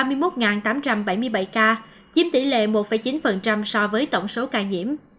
nhưng tổng số ca tử vong tính đến nay là hai trăm bảy mươi bảy ca chiếm tỷ lệ một chín so với tổng số ca nhiễm